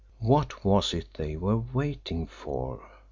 WHAT WAS IT THEY WERE WAITING FOR?